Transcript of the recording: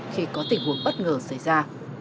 khi có tình huống bất ngờ xảy ra